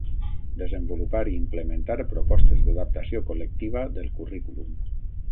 Desenvolupar i implementar propostes d'adaptació col·lectiva del currículum.